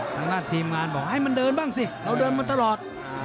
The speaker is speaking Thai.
ทางด้านทีมงานบอกให้มันเดินบ้างสิเราเดินมาตลอด